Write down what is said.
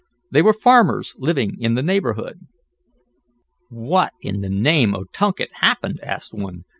They were farmers living in the neighborhood. "What in the name o' Tunket happened?" asked one.